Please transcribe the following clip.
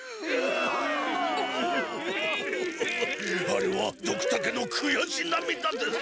あれはドクタケのくやしなみだです。